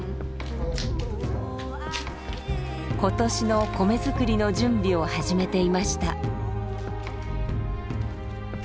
今年の米作りの準備を始めていました。